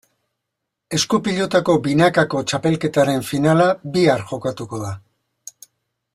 Esku-pilotako binakako txapelketaren finala bihar jokatuko da.